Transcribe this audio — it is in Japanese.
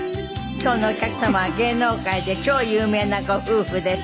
今日のお客様は芸能界で超有名なご夫婦です。